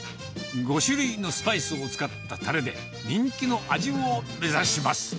５種類のスパイスを使ったたれで、人気の味を目指します。